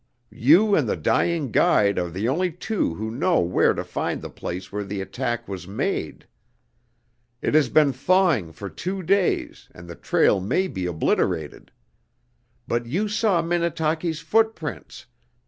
You and the dying guide are the only two who know where to find the place where the attack was made. It has been thawing for two days and the trail may be obliterated. But you saw Minnetaki's footprints.